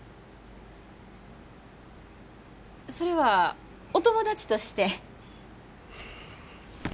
それはお友達として？